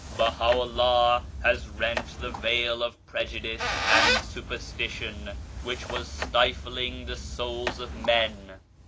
Baha Vllah has rent the veil of prejudice and superstition which was stifling the souls of men.